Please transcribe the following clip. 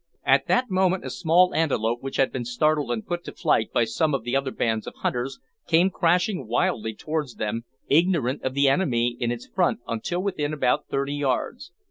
At that moment a small antelope, which had been startled and put to flight by some of the other bands of hunters, came crashing wildly towards them, ignorant of the enemy in its front until within about thirty yards.